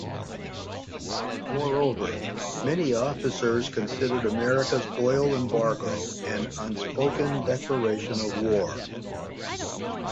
Moreover, many officers considered America's oil embargo an unspoken declaration of war.